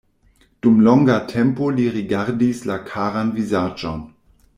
Dum longa tempo li rigardis la karan vizaĝon.